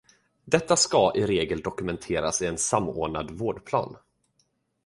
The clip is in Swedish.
Detta ska i regel dokumenteras i en samordnad vårdplan.